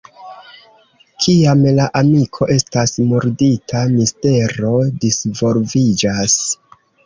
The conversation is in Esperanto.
Kiam la amiko estas murdita, mistero disvolviĝas.